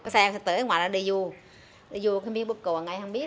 xe tới ngoài là đi vô đi vô cái miếng búp cửa ngay không biết